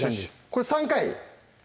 これ３回？